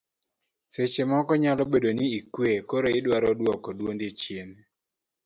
seche moko nyalo bedo ni ikwe koro idwaro duoko duondi chien